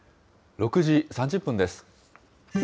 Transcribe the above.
６時３０分です。